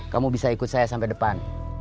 kamu bisa ikut saya sampai depan